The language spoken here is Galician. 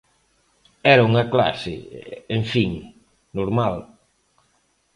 Era unha clase, en fin, normal.